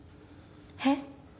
えっ？